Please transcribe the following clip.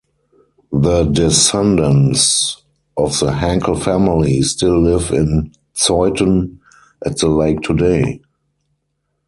The descendants of the Hankel family still live in Zeuthen at the lake today.